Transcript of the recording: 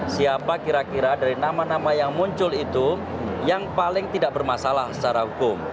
siapa kira kira dari nama nama yang muncul itu yang paling tidak bermasalah secara hukum